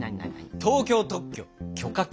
東京特許許可局。